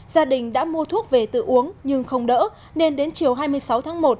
gia đình đã mua thuốc về tự uống nhưng không đỡ nên đến chiều hai mươi sáu tháng một